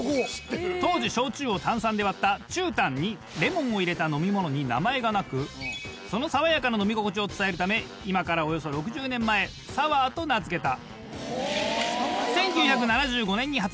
当時焼酎を炭酸で割ったチュウタンにレモンを入れた飲み物に名前がなくその爽やかな飲み心地を伝えるため今からおよそ６０年前サワーと名付けた。